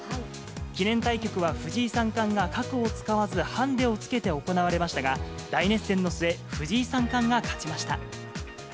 記念対局は藤井三冠が角を使わずハンデをつけて行われましたが、大熱戦の末、藤井三冠が勝ちました。